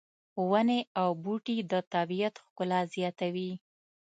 ونې او بوټي د طبیعت ښکلا زیاتوي